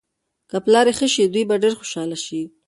که پلار یې ښه شي، دوی به ډېر خوشحاله شي.